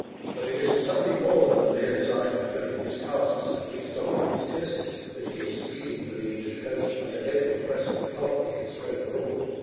But it is for something more than the mere design of filling his casks and re stocking his tierces that he is speeding for the English coast under every press of cloth he can spread abroad.